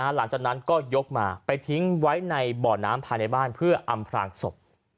หลังจากนั้นก็ยกมาไปทิ้งไว้ในบ่อน้ำภายในบ้านเพื่ออำพลางศพ